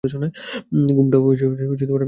ঘুমটা ভালোমতো হচ্ছে না।